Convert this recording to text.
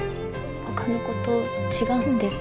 ほかの子と違うんです。